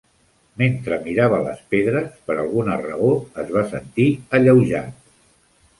Mentre mirava les pedres, per alguna raó, es va sentir alleujat.